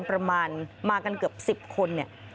ประมาณมากันเกือบ๑๐คน